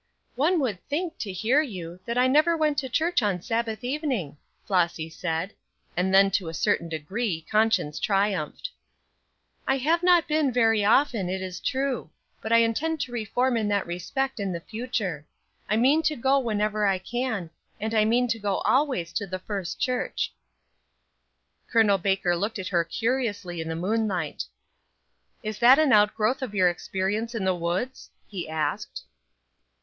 "One would think, to hear you, that I never went to church on Sabbath evening," Flossy said. And then to a certain degree conscience triumphed. "I have not been very often, it is true; but I intend to reform in that respect in the future. I mean to go whenever I can, and I mean to go always to the First Church." Col. Baker looked at her curiously in the moonlight. "Is that an outgrowth of your experience in the woods?" he asked.